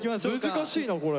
難しいなこれ。